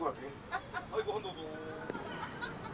はいごはんどうぞ。